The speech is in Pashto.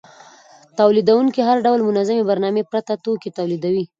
تولیدونکي له هر ډول منظمې برنامې پرته توکي تولیدوي